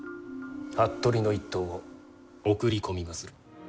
服部の一党を送り込みまする。